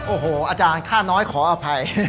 โอ้โหอาจารย์ค่าน้อยขออภัย